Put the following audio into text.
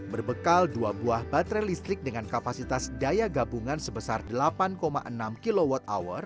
berbekal dua buah baterai listrik dengan kapasitas daya gabungan sebesar delapan enam kwh